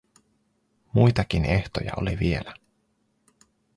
Muitakin ehtoja oli vielä.